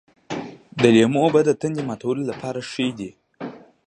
د لیمو اوبه د تندې ماتولو لپاره ښې دي.